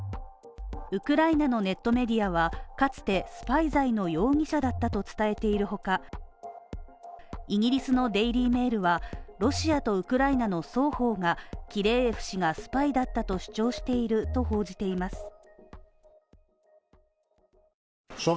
ウクライナのネットメディアは、かつてスパイ罪の容疑者だったと伝えているほかイギリスの「デイリー・メール」は、ロシアとウクライナの双方がキレーエフ氏がスパイだったと主張していると報じています。